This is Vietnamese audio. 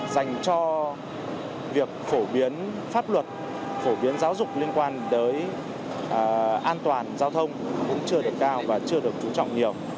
dành cho việc phổ biến pháp luật phổ biến giáo dục liên quan tới an toàn giao thông cũng chưa được cao và chưa được chú trọng nhiều